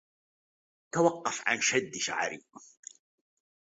توقّف عن شدّ شعري